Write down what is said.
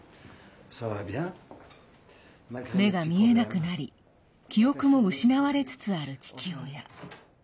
目が見えなくなり記憶も失われつつある父親。